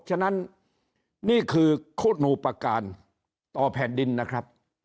ฉะนั้นนี่คือโฆษณูประการต่อแผ่นดินนะครับ